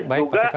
baik pak fikar